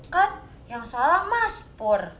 kan yang salah mas pur